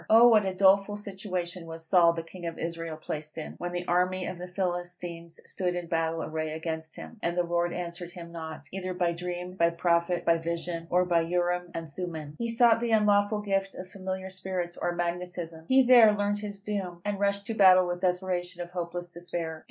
Oh, what a doleful situation was Saul the king of Israel placed in, when the army of the Philistines stood in battle array against him, and the Lord answered him not, either by dream, by Prophet, by vision, or by Urim and Thummim! He sought the unlawful gift of familiar spirits, or "Magnetism." He there learned his doom, and rushed to battle with the desperation of hopeless despair.